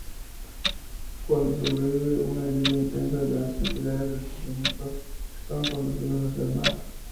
Cuando sobreviene una lluvia intensa, grandes cantidades de sedimentos son conducidos hacia el mar.